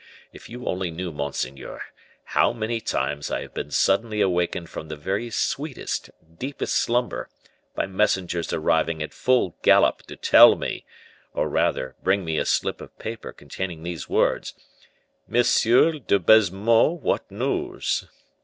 if you only knew, monseigneur, how many times I have been suddenly awakened from the very sweetest, deepest slumber, by messengers arriving at full gallop to tell me, or rather, bring me a slip of paper containing these words: 'Monsieur de Baisemeaux, what news?